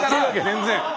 全然！